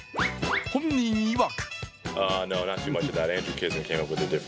本人いわく